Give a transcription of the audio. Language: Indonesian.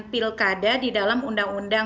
pilkada di dalam undang undang